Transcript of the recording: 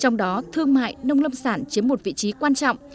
trong đó thương mại nông lâm sản chiếm một vị trí quan trọng